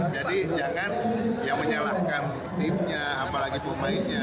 jangan yang menyalahkan timnya apalagi pemainnya